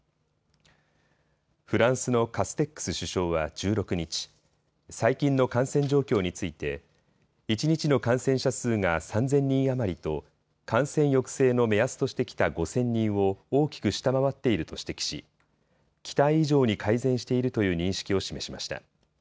フランスのカステックス首相は１６日、最近の感染状況について一日の感染者数が３０００人余りと感染抑制の目安としてきた５０００人を大きく下回っていると指摘し期待以上に改善しているという認識を示しました。